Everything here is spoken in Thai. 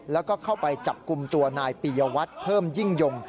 แล้วก็เข้าไปจับกลุ่มตัวนายปียวัตรเพิ่มยิ่งยง